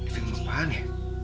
film apaan ya